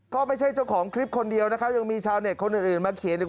ก็ไม่ใช่เจ้าของคลิปคนเดียวนะครับยังมีชาวเน็ตคนอื่นมาเขียนอีก